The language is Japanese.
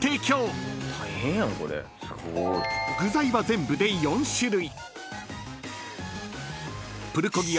［具材は全部で４種類］